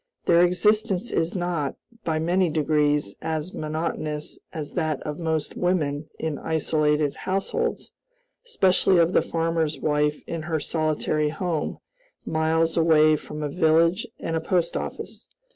Their existence is not, by many degrees, as monotonous as that of most women in isolated households especially of the farmer's wife in her solitary home, miles away from a village and a post office.